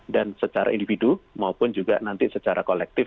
dan secara individu maupun juga nanti secara kolektif